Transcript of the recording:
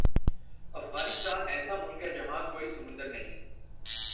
افغانستان ایسا ملک ہے جہاں کوئی سمندر نہیں ہے